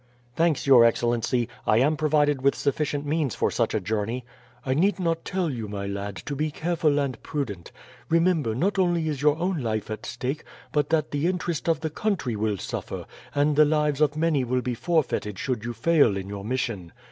"Thanks, your excellency, I am provided with sufficient means for such a journey." "I need not tell you, my lad, to be careful and prudent. Remember, not only is your own life at stake, but that the interest of the country will suffer, and the lives of many will be forfeited should you fail in your mission.